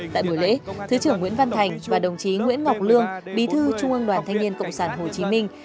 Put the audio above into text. tại buổi lễ thứ trưởng nguyễn văn thành và đồng chí nguyễn ngọc lương bí thư trung ương đoàn thanh niên cộng sản hồ chí minh